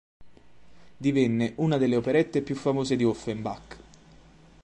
Divenne una delle operette più famose di Offenbach.